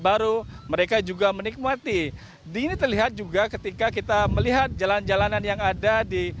baru mereka juga menikmati di ini terlihat juga ketika kita melihat jalan jalanan yang ada di